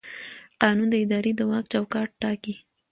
قانون د ادارې د واک چوکاټ ټاکي.